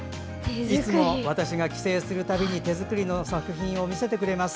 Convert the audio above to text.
いつも私が帰省する度に手作りの作品を見せてくれます。